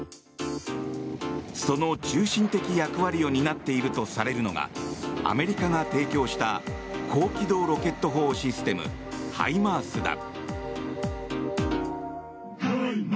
その中心的役割を担っているとされるのがアメリカが提供した高機動ロケット砲システムハイマースだ。